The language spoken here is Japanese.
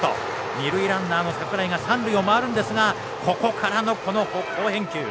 二塁ランナーの櫻井が三塁を回るんですがここからの好返球。